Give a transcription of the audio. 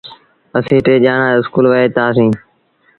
اسيٚݩ ٽي ڄآڻآن اسڪول وهيتآ سيٚݩ۔